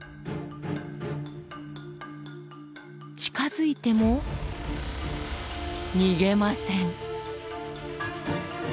近づいても逃げません。